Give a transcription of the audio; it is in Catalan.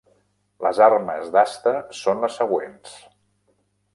Les armes d'asta són les següents.